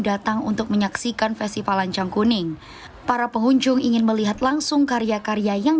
datang untuk menyaksikan festival lancang kuning para pengunjung ingin melihat langsung karya karya yang